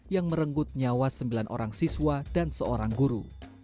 yang merenggut nyawa sembilan orang siswa dan seorang guru